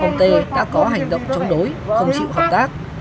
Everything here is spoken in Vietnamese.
ông tê đã có hành động chống đối không chịu hợp tác